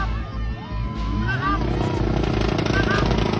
โปรดติดตามต่อไป